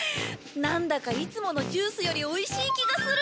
なんだかいつものジュースよりおいしい気がする。